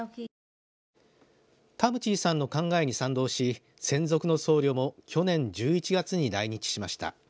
タム・チーさんの考えに賛同し専属の僧侶も去年１１月に来日しました。